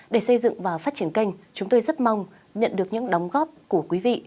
để xây dựng và phát triển kênh chúng tôi rất mong nhận được những đóng góp của quý vị